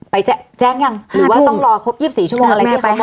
ไปแจ้งยังหรือว่าต้องรอครบ๒๔ชั่วโมงอะไรที่เขาบอกกันไหม